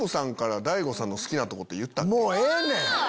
もうええねん！